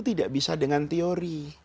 tidak bisa dengan teori